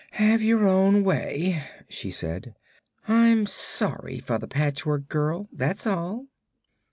"Have your own way," she said. "I'm sorry for the Patchwork Girl, that's all."